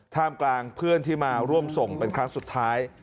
ท่ามกลางเพื่อนที่มาร่วมส่งเป็นครั้งสุดท้าย